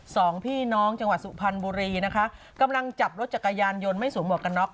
สองพี่น้องจังหวัดสุพรรณบุรีนะคะกำลังจับรถจักรยานยนต์ไม่สวมหวกกันน็อก